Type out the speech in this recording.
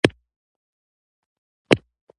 په بشري دنيا کې ناپوهو خلکو هم ډک دی.